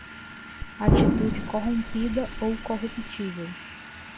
Atitude corrompida ou corruptível